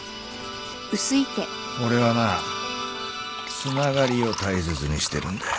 俺はなつながりを大切にしてるんだよ。